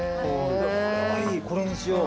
これはいいこれにしよう。